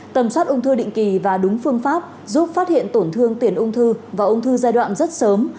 tầm soát ung thư định kỳ và đúng phương pháp giúp phát hiện tổn thương tiền ung thư và ung thư giai đoạn rất sớm